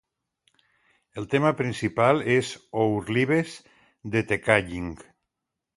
El tema principal és "Our Lives" de The Calling.